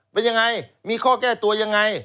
เป็นยังไงมีข้อแก้ตัวยังไง